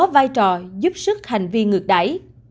vai trò giúp sức hành vi ngược đẩy